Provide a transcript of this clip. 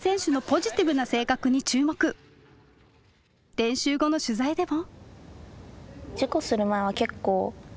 練習後の取材でも。